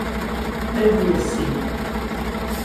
Then we'll see.